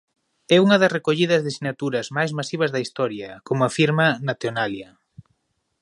É unha das recollidas de sinaturas máis masivas da historia, como afirma Nationalia.